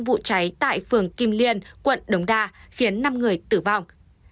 vụ cháy tại phường kim liên quận đống đa khiến năm người tử vong